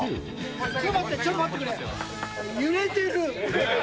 ちょっと待っ、ちょっと待ってくれ、揺れてる！